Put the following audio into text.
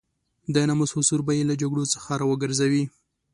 د ناموس حضور به يې له جګړو څخه را وګرځوي.